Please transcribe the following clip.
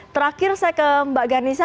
terakhir saya ke mbak ghanisa